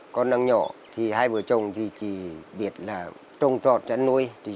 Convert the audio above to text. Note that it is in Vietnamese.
con đang nhỏ thì hai vợ chồng thì chỉ biết là trồng trọt để nuôi